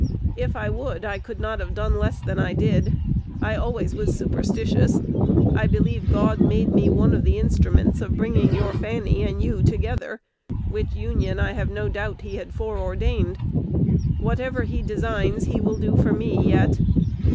If I would, I could not have done less than I did. I always was superstitious: I believe God made me one of the instruments of bringing your Fanny and you together, which union I have no doubt he had fore ordained. Whatever he designs, he will do for me yet.